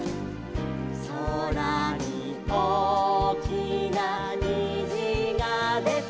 「そらにおおきなにじがでた」